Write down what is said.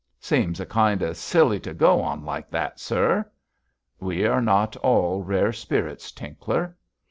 "' 'Seems a kind of silly to go on like that, sir!' 'We are not all rare spirits, Tinkler.'